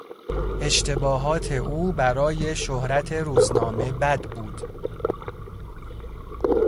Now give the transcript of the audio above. اشتباهات او برای شهرت روزنامه بد بود.